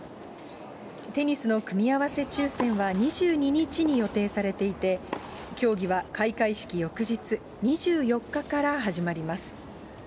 テニスの組み合わせ抽せんは２２日に予定されていて、競技は開会式翌日２４日から始まります。